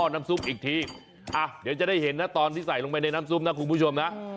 เดี๋ยวจะได้เห็นนะตอนที่ใส่ลงไปในน้ำซุปนะคุณผู้ชมนะ